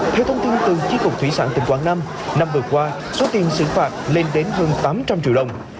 theo thông tin từ chiếc cục thủy sản tỉnh quảng nam năm vừa qua số tiền xử phạt lên đến hơn tám trăm linh triệu đồng